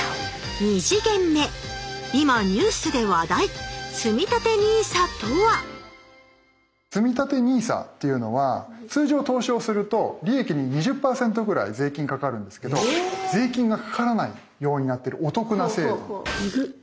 今ニュースで話題つみたてＮＩＳＡっていうのは通常投資をすると利益に２０％ぐらい税金かかるんですけど税金がかからないようになってるお得な制度。